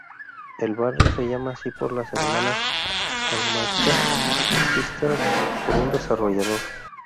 El barrio se llama así por las hermanas Talmadge sisters por un desarrollador.